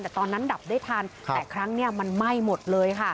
แต่ตอนนั้นดับได้ทันแต่ครั้งนี้มันไหม้หมดเลยค่ะ